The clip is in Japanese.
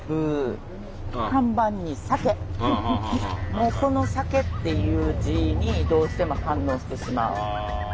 もうこの酒っていう字にどうしても反応してしまう。